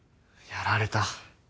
やられた。